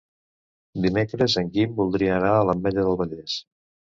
Dimecres en Guim voldria anar a l'Ametlla del Vallès.